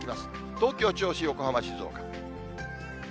東京、銚子、横浜、静岡。